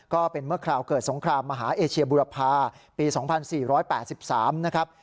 ก็เป็นเมื่อคราวเกิดสงครามมหาเอเชียบุรพาปี๒๔๘๓นะครับ